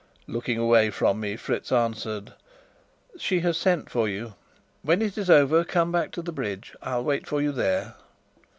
Looking away from me, Fritz answered: "She has sent for you. When it is over, come back to the bridge. I'll wait for you there."